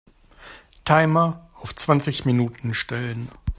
Timer auf zwanzig Minuten stellen.